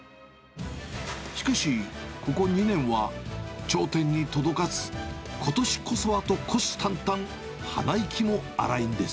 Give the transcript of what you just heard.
しかし、ここ２年は頂点に届かず、ことしこそはと虎視眈々、鼻息も荒いんです。